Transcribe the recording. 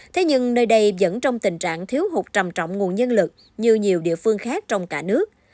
thế nhưng nơi đây vẫn trong tình trạng thiếu hụt trầm trọng nguồn nhân lực như nhiều địa phương khác trong cả nước